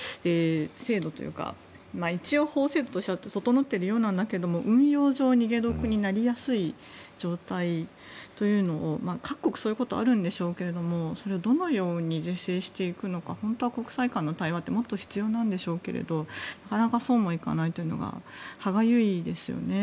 制度というか一応、法制度としては整っているようなんだけど運用上、逃げ得になりやすい状態というのを各国、そういうことあるんでしょうけどそれをどのように自制していくのかもっと国際間の対話ってもっと必要なんでしょうけどなかなかそうもいかないというのが歯がゆいですよね。